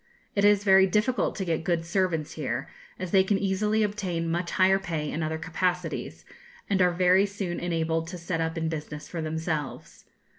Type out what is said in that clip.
It is very difficult to get good servants here, as they can easily obtain much higher pay in other capacities, and are very soon enabled to set up in business for themselves.